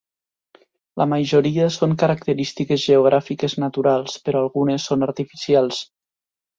La majoria són característiques geogràfiques naturals, però algunes són artificials.